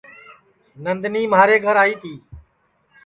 نندنی مھارے گھر آئی تی